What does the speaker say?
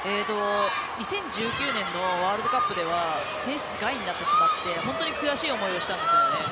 ２０１９年のワールドカップでは選出外になってしまって本当に悔しい思いをしたんですね。